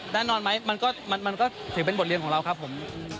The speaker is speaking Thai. แน่นอนไหมมันก็ถือเป็นบทเรียนของเราครับผม